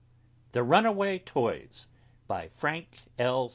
THE RUNAWAY TOYS BY FRANK L.